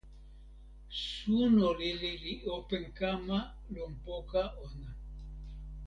suno lili li open kama lon poka ona.